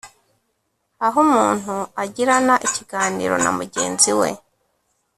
aho umuntu agirana ikiganiro na mugenzi we